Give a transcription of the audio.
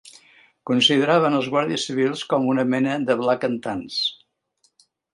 Consideraven els guàrdies civils com una mena de Black and Tans